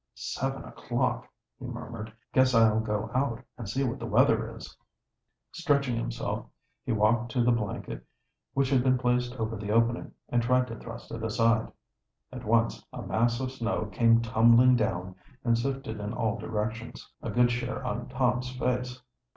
"Seven o'clock!" he murmured. "Guess I'll go out and see what the weather is." Stretching himself, he walked to the blanket which had been placed over the opening, and tried to thrust it aside. At once a mass of snow came tumbling down and sifted in all directions, a good share on Tom's face.